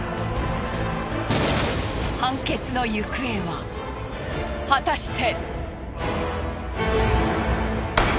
判決の行方は果たして？